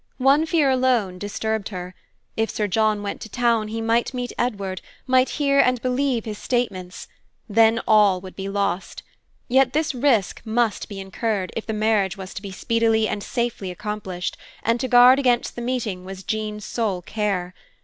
One fear alone disturbed her. If Sir John went to town, he might meet Edward, might hear and believe his statements. Then all would be lost. Yet this risk must be incurred, if the marriage was to be speedily and safely accomplished; and to guard against the meeting was Jean's sole care.